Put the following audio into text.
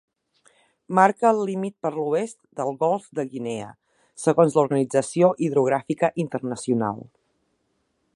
Marca el límit per l'oest del golf de Guinea, segons l'Organització Hidrogràfica Internacional.